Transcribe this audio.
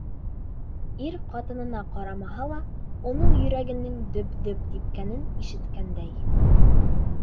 Ир ҡатынына ҡарамаһа ла, уның йөрәгенең дөп-дөп типкәнен ишеткәндәй.